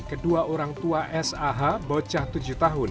kedua orang tua sah bocah tujuh tahun